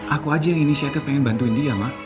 aku aja yang inisiatif pengen bantuin dia mak